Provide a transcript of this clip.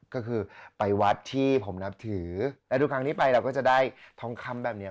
ก็คือไปวัดที่ผมนับถือและทุกครั้งที่ไปเราก็จะได้ทองคำแบบนี้